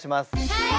はい！